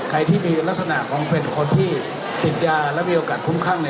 ใครที่มีลักษณะของเป็นคนที่ติดยาและมีโอกาสคุ้มครั่ง